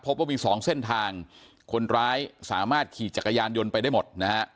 พบว่ามีสองเส้นทางคนร้ายสามารถขี่จักรยานยนต์ไปได้หมดนะฮะ